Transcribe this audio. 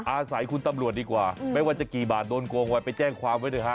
อาศัยคุณตำรวจดีกว่าไม่ว่าจะกี่บาทโดนโกงไว้ไปแจ้งความไว้ด้วยฮะ